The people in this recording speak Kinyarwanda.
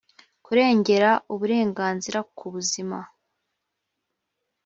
kurengera uburenganzira ku buzima